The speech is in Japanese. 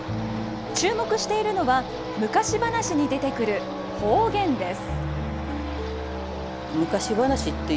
注目しているのは昔話に出てくる方言です。